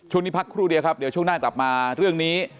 พักครู่เดียวครับเดี๋ยวช่วงหน้ากลับมาเรื่องนี้